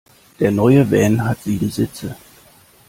Der neue Van hat sieben Sitze.